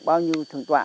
bao nhiêu thường tọa